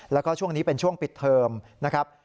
แล้วก็ช่วงนี้เป็นช่วงปิดเทอมนะครับ